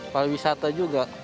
pada wisata juga